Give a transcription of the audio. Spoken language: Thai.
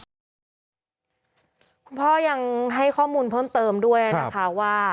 คุณพ่อยังให้ข้อมูลเพิ่มเติมด้วยนะคะว่า